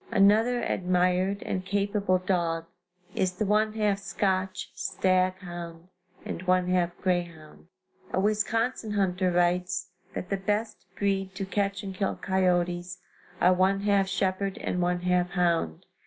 Another admired and capable dog is the one half Scotch stag hound and one half grey hound. A Wisconsin hunter writes that the best breed to catch and kill coyotes are one half shepherd and one half hound.